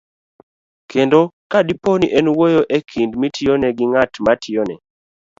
kendo, kadipo ni en wuoyo e kind mitiyone to gi ng'at matiyone,